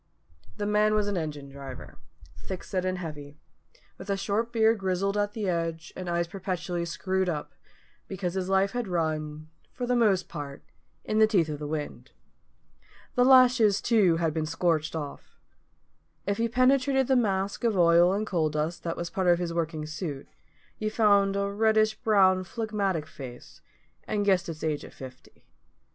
_" The man was an engine driver, thick set and heavy, with a short beard grizzled at the edge, and eyes perpetually screwed up, because his life had run for the most part in the teeth of the wind. The lashes, too, had been scorched off. If you penetrated the mask of oil and coal dust that was part of his working suit, you found a reddish brown phlegmatic face, and guessed its age at fifty.